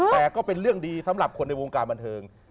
แต่ก็เป็นเรื่องดีสำหรับคนในวงการบันเทิง